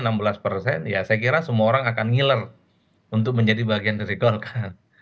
saya kira semua orang akan ngiler untuk menjadi bagian dari golkar